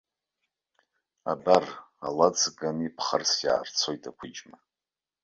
Абар, ала ҵганы иԥхарс иаарцоит ақәыџьма.